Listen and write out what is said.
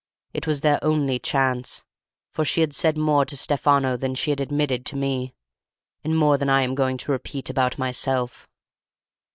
It was their only chance, for she had said more to Stefano than she had admitted to me, and more than I am going to repeat about myself.